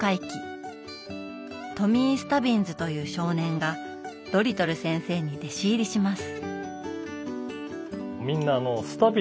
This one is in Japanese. トミー・スタビンズという少年がドリトル先生に弟子入りします。